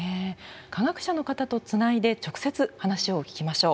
科学者の方とつないで直接話を聞きましょう。